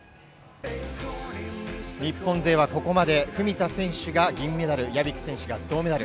日本勢はここまで文田選手が銀メダル、屋比久選手が銅メダル。